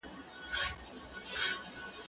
دا مڼې له هغه تازه دي!؟